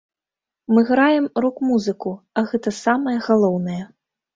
Мы граем рок-музыку, а гэта самае галоўнае.